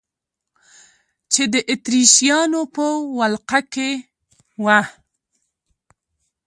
چې د اتریشیانو په ولقه کې وه.